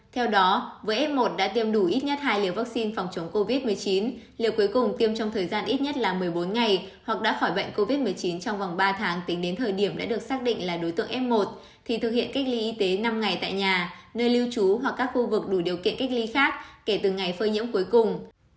theo đó với f một đã tiêm đủ ít nhất hai liều vaccine phòng chống covid một mươi chín liều cuối cùng tiêm trong thời gian ít nhất là một mươi bốn ngày hoặc đã khỏi bệnh covid một mươi chín trong vòng ba tháng tính đến thời điểm đã được xác định là đối tượng f một thì thực hiện cách ly y tế năm ngày tại nhà nơi lưu trú hoặc các khu vực đủ điều kiện cách ly khác kể từ ngày phơi nhiễm cuối cùng